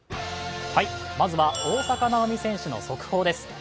まずは大坂なおみ選手の速報です。